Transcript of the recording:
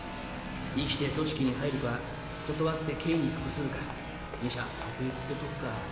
生きて組織に入るか断って刑に服するか二者択一ってとこか。